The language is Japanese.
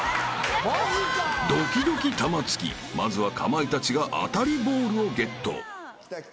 ［ドキドキ玉突きまずはかまいたちが当たりボールをゲット］